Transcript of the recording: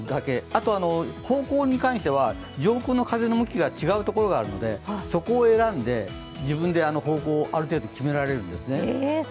あと方向に関しては上空の風の向きが違う所があるのでそこを選んで、自分で方向をある程度決められるんですね。